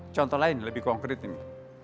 contoh lain lebih konkret ini